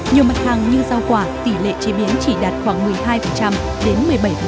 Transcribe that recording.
nhiều mặt hàng như rau quả tỷ lệ chế biến chỉ đạt khoảng một mươi hai đến một mươi bảy